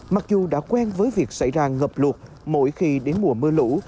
mặc dù đã quen với việc xảy ra ngập lụt mỗi khi đến mùa mưa lũ